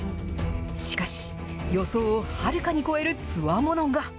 しかし、予想をはるかに超えるつわものが。